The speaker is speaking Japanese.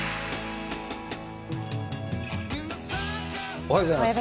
おはようございます。